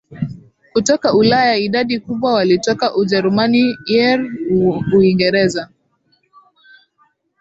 kutoka Ulaya idadi kubwa walitoka Ujerumani Eire Uingereza